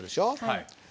はい。